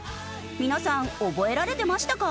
皆さん覚えられてましたか？